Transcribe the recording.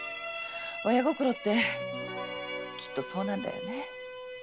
親心ってきっとそうなんだろうね。